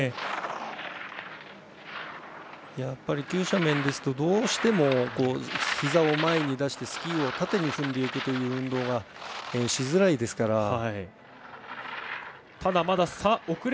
急斜面ですとどうしてもひざを前に出してスキーを縦に踏んでいくという運動がしづらいですから。